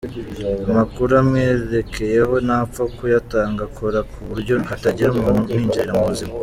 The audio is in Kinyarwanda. Amakuru amwerekeyeho ntapfa kuyatanga akora ku buryo hatagira umuntu umwinjirira mu buzima.